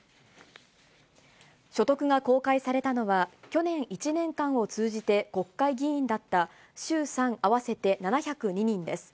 所得が公開されたのは、去年１年間を通じて国会議員だった、衆参合わせて７０２人です。